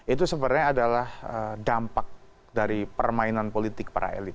itu sebenarnya adalah dampak dari permainan politik para elit